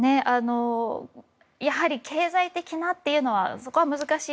やはり経済的なというのはそこは難しい。